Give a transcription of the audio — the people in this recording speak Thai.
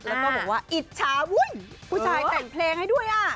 แล้วก็บอกว่าอิจฉายผู้ชายแต่งเพลงให้ด้วยอ่ะ